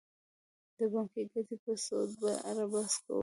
د بانکي ګټې یا سود په اړه بحث کوو